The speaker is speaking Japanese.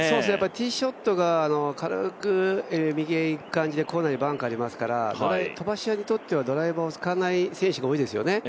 ティーショットが軽く右へいく感じでコーナーにバンカーありますから飛ばし屋にとってはドライバーを使わない選手が多いですよね。